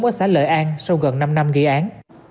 ở xã lợi an sau gần năm năm gây án